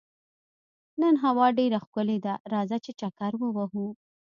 نن هوا ډېره ښکلې ده، راځه چې چکر ووهو.